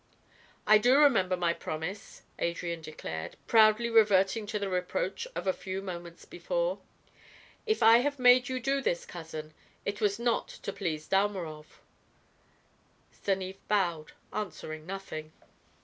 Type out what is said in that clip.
"I do remember my promise," Adrian declared, proudly reverting to the reproach of a few moments before. "If I have made you do this, cousin, it was not to please Dalmorov." Stanief bowed, answering nothing.